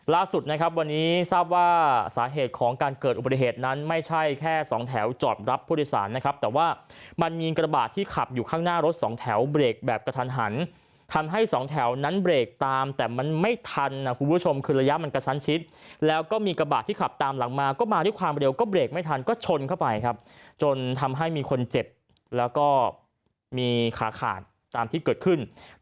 ล่าสุดนะครับวันนี้ทราบว่าสาเหตุของการเกิดอุบัติเหตุนั้นไม่ใช่แค่สองแถวจอบรับผู้โดยสารนะครับแต่ว่ามีกระบาดที่ขับอยู่ข้างหน้ารถสองแถวเบรกแบบกระทันหันทำให้สองแถวนั้นเบรกตามแต่มันไม่ทันคุณผู้ชมคือระยะมันกระชั้นชิดแล้วก็มีกระบาดที่ขับตามหลังมาก็มาที่ความเร็วก็เบรกไม่ทันก็ชนเข้